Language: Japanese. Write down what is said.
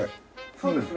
そうですね。